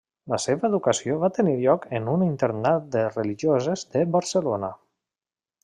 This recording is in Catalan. La seva educació va tenir lloc en un internat de religioses de Barcelona.